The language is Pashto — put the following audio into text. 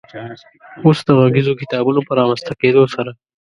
اوس د غږیزو کتابونو په رامنځ ته کېدو سره